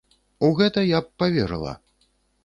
У гэта я б паверыла.